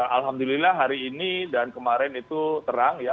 alhamdulillah hari ini dan kemarin itu terang ya